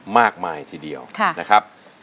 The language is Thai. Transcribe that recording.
มากมายทีเดียวนะครับ